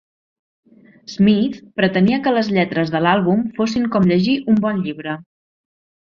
Smith pretenia que les lletres de l'àlbum fossin com llegir un bon llibre.